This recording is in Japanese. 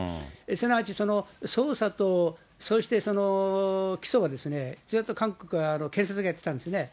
すなわち、捜査と、そして起訴はずっと韓国は検察がやってたんですね。